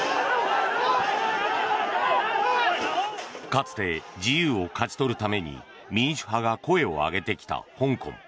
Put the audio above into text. かつて自由を勝ち取るために民主派が声を上げてきた香港。